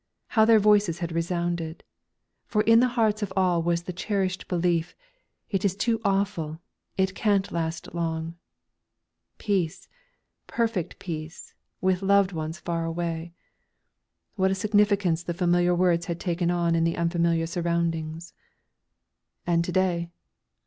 How their voices had resounded! For in the hearts of all was the cherished belief, "It is all too awful. It can't last long." "Peace, perfect peace, with loved ones far away." What a significance the familiar words had taken on in the unfamiliar surroundings. And to day?